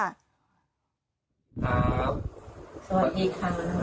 สวัสดีค่ะ